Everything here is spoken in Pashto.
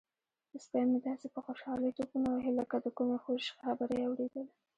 سپی مې داسې په خوشحالۍ ټوپونه وهي لکه د کومې خوشخبرۍ اوریدل.